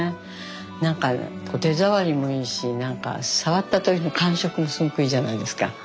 なんか手触りもいいしなんか触った時の感触もすごくいいじゃないですか。